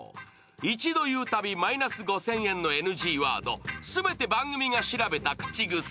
一度、言うたびマイナス５０００円のＮＧワード、全て番組が調べた口癖。